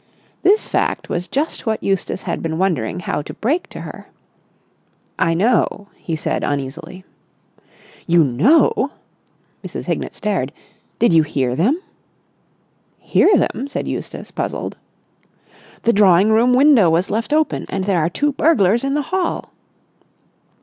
This fact was just what Eustace had been wondering how to break to her. "I know," he said uneasily. "You know!" Mrs. Hignett stared. "Did you hear them?" "Hear them?" said Eustace, puzzled. "The drawing room window was left open, and there are two burglars in the hall!"